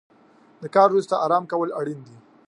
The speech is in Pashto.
د کار وروسته ارام کول اړین دي.